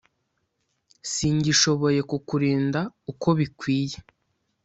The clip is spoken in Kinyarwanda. Singishoboye kukurinda uko bikwiye